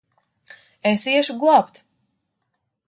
Es iešu glābt!